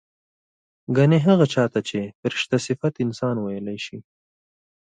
ګنې هغه چا ته چې فرشته صفت انسان وييلی شي